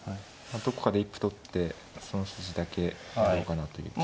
どこかで一歩取ってその筋だけどうかなという。